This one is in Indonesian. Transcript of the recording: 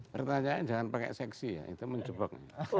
pertanyaannya jangan pakai seksi ya itu mencebuk